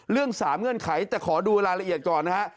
เรื่อง๓เงื่อนไขแต่ขอดูรายละเอียดก่อนนะครับ